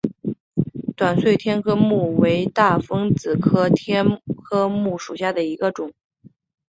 短穗天料木为大风子科天料木属下的一个种。